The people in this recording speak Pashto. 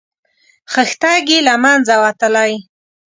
خښتګ یې له منځه وتلی.